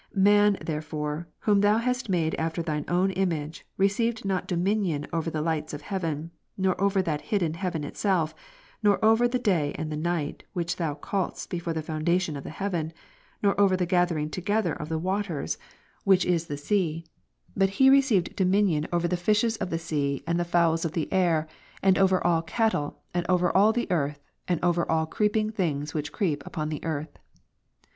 Man therefore, whom Thou hast made after Tliine OAvn image, received not dominion over the lights of heaven, nor over that hidden heaven itself, nor over the day and the night, which Thou calledst before the foundation of tlie heaven, nor over the gathering together of the waters, which nor those without, but whom and what he may correct. 301 is the sea; but he received dominion over the fishes of the sea, andthej'oiols of the air, and over all cattle, and over all the earth, and over all creeping things which creep upon the earth.